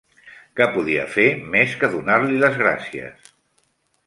Què podia fer més que donar-li les gràcies!